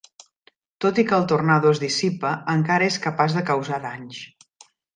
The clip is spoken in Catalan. Tot i que el tornado es dissipa, encara és capaç de causar danys.